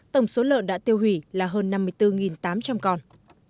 tổng số lợn đã tiêu hủy là hơn năm mươi bốn tám trăm linh con